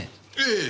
ええ。